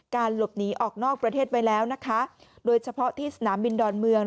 หลบหนีออกนอกประเทศไว้แล้วนะคะโดยเฉพาะที่สนามบินดอนเมือง